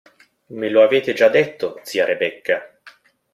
Me lo avete già detto, zia Rebecca.